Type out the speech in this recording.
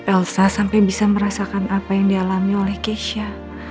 elsa sampai bisa merasakan apa yang dialami oleh keisha